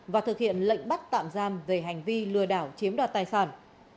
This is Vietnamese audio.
và thực hiện lệnh bắt tạm giam về hành vi lừa đảo chiếm đoạt tài sản